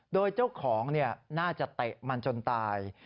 โดยเจ้าของน่าจะเตะมันจนตาย